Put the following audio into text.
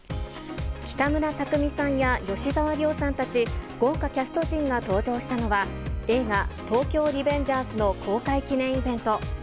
北村匠海さんや吉沢亮さんたち豪華キャスト陣が登場したのは、映画、東京リベンジャーズの公開記念イベント。